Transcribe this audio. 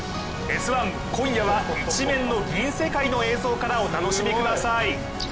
「Ｓ☆１」、今夜は一面の銀世界からお楽しみください。